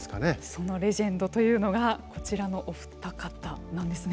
そのレジェンドというのがこちらのお二方なんですね。